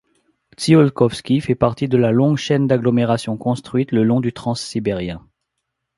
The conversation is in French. Tsiolkovski fait partie de la longue chaine d'agglomérations construites le long du transsibérien.